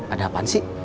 ada apaan sih